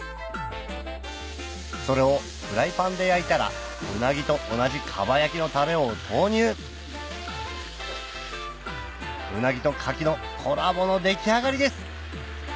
それをフライパンで焼いたらウナギと同じ蒲焼きのタレを投入ウナギと牡蠣のコラボの出来上がりです